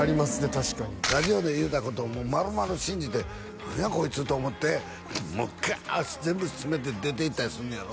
確かにラジオで言うたことをまるまる信じて何やこいつと思ってもうガーッ全部詰めて出ていったりすんねやろ？